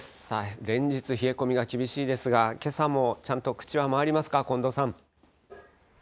さあ、連日、冷え込みが厳しいですが、けさもちゃんと口は回りますか、近藤さん。